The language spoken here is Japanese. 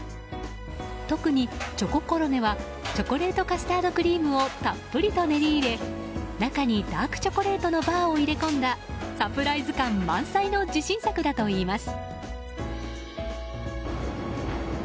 特にチョココロネはチョコレートカスタードクリームをたっぷりと練り入れ中にダークチョコレートのバーを入れ込んだサプライズ感満載の自信作だといいます。